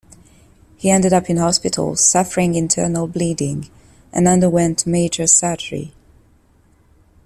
He ended up in hospital suffering internal bleeding and underwent major surgery.